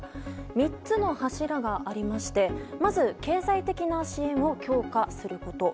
３つの柱がありましてまず経済的な支援を強化すること。